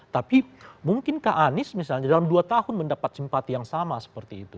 tapi mungkin kak anies misalnya dalam dua tahun mendapat simpati yang sama seperti itu